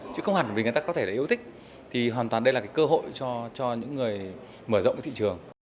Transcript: chứ không hẳn vì người ta có thể là yêu thích thì hoàn toàn đây là cái cơ hội cho những người mở rộng cái thị trường